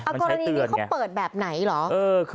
กรณีนี้เขาเปิดแบบไหนเหรอ